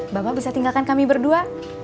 bapak bisa tinggalkan kami berdua